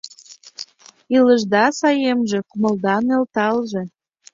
Илышда саемже, кумылда нӧлталже